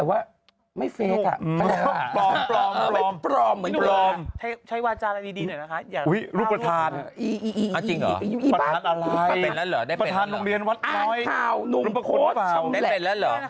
สวัสดีครับค่ะณเป็นแล้วหรือ